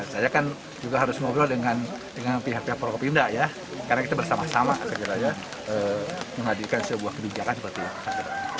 saya juga harus ngobrol dengan pihak pihak forko pindah karena kita bersama sama menghadirkan sebuah kebijakan seperti ini